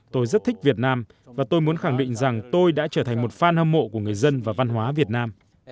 tôi rất thích việt nam và tôi muốn khẳng định rằng tôi đã trở thành một phan hâm mộ của người dân và văn hóa việt nam